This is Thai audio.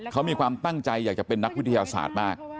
เขามีความตั้งใจอยากจะเป็นนักวิทยาศาสตร์มาก